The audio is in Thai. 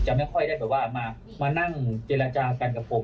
จะไม่ค่อยได้มานั่งเจรจากันกับผม